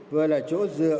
vừa là chỗ dựa